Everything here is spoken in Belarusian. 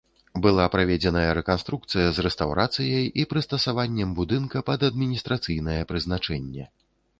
Была праведзеная рэканструкцыя з рэстаўрацыяй і прыстасаваннем будынка пад адміністрацыйнае прызначэнне.